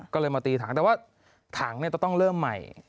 ก็เลยมาตีถังแต่ว่าถังจะต้องเริ่มใหม่